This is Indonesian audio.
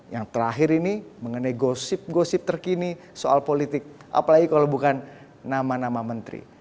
yang terakhir ini mengenai gosip gosip terkini soal politik apalagi kalau bukan nama nama menteri